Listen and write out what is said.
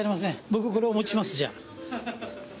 僕これお持ちしますじゃあ。